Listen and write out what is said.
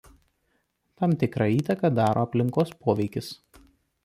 Tam tikrą įtaką daro aplinkos poveikis.